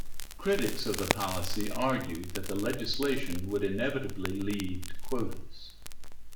Critics of the policy argued that the legislation would inevitably lead to quotas.